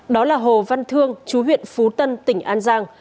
đó là hồ văn thương chú huyện phú tân tỉnh an giang